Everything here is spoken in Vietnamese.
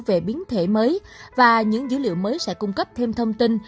về biến thể mới và những dữ liệu mới sẽ cung cấp thêm thông tin